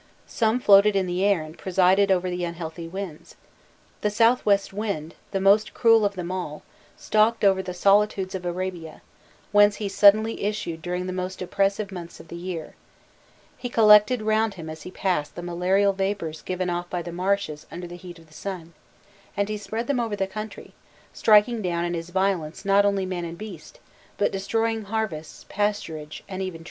Some floated in the air and presided over the unhealthy winds. The South West Wind, the most cruel of them all, stalked over the solitudes of Arabia, whence he suddenly issued during the most oppressive months of the year: he collected round him as he passed the malarial vapours given off by the marshes under the heat of the sun, and he spread them over the country, striking down in his violence not only man and beast, but destroying harvests, pasturage, and even trees.